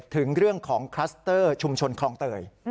ถึงเรื่องของคลัสเตอร์ชุมชนคลองเตย